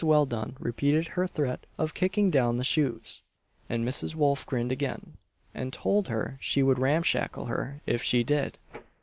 Welldone repeated her threat of kicking down the shoes, and Mrs. Wolf grinned again, and told her she would ramshackle her if she did.